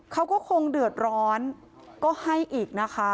เขาก็คงเดือดร้อนก็ให้อีกนะคะ